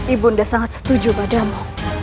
ibu nda sangat setuju padamu